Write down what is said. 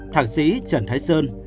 thạc sĩ trần thái sơn